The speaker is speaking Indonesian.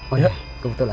oh iya kebetulan